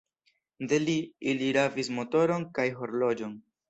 De li, ili rabis motoron kaj horloĝon.